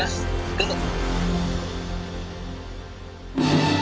どうぞ！